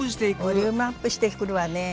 ボリュームアップしてくるわね。